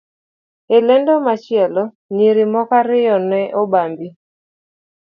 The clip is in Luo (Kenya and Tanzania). E lendo machielo, nyiri moko ariyo ne obambi,